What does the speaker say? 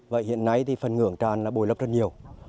vậy hiện nay thì phần ngưỡng tràn đã bồi lấp rất nhiều